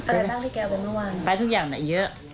อะไรบ้างที่แกไปเมื่อวานไปทุกอย่างไหนเยอะ